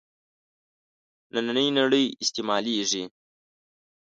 نننۍ نړۍ استعمالېږي.